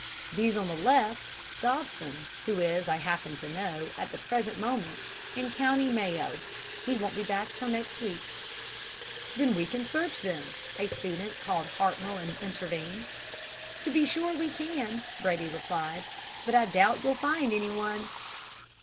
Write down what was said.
These on the left Dobson, who is, I happen to know, at the present moment in Co. Mayo. He won't be back till next week.' "'Then we can search them,' a student called Hartnoll intervened. "'To be sure we can,' Brady replied, 'but I doubt if you'll find anyone.'